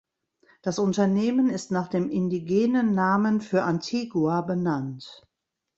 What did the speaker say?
Das Unternehmen ist nach dem indigenen Namen für Antigua benannt.